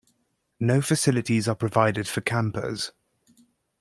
No facilities are provided for campers.